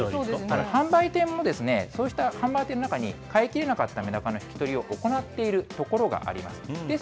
販売店も、そうした販売店の中に飼い切れなかったメダカの引き取りを行っている所があります。